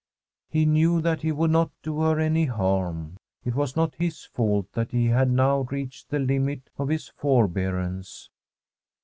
He knew that he would not do her any harm. It was not his fault that he had now reached the limit of his forbearance.